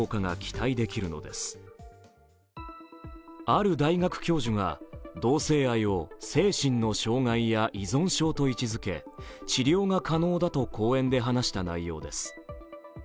ある大学教授が、同性愛を精神の障害や依存症と位置づけ治療が可能だと講演で話した内容です。